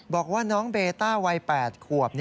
บอกว่าน้องเบต้าวัย๘ขวบ